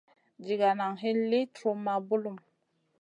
Ɗiga nan hin liw truhma bulum.